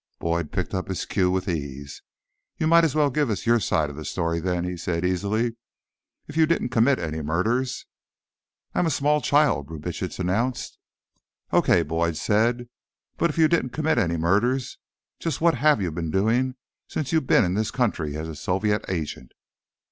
Boyd picked up his cue with ease. "You might as well give us your side of the story, then," he said easily. "If you didn't commit any murders—" "I am a small child," Brubitsch announced. "Okay," Boyd said. "But if you didn't commit any murders, just what have you been doing since you've been in this country as a Soviet agent?"